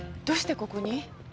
どうしてここに？